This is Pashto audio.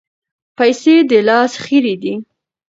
پیسې د لاس خیرې دي.